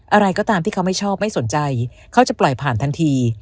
อะไรก็ตามที่เขาไม่ชอบไม่สนใจเขาจะปล่อยผ่านทันที